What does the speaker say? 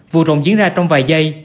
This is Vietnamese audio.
vụ trộn diễn ra trong vài giây